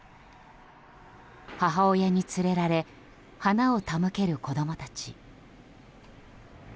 母親に連れられ花を手向ける子供たち。